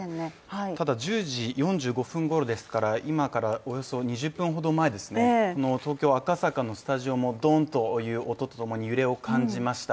ただ、１０時４５分頃ですから今からおよそ２０分ほど前ですね、東京・赤坂のスタジオもドンとという揺れを感じました。